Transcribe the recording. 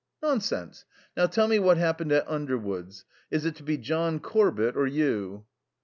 "Nonsense. Now tell me what happened at Underwoods. Is it to be John Corbett or you?"